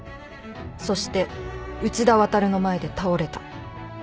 そして内田亘の前で倒れた。